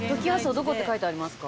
どこって書いてありますか？